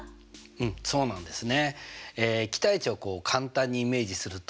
うんそうなんですね。